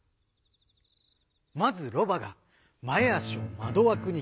まずロバが前足を窓枠にかけます。